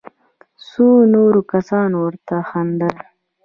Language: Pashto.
څو نورو کسانو ورته خندل.